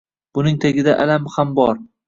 Buning tagida alam hambor.